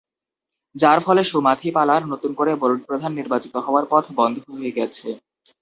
যার ফলে সুমাথিপালার নতুন করে বোর্ডপ্রধান নির্বাচিত হওয়ার পথ বন্ধ হয়ে গেছে।